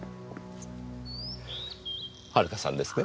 遥さんですね。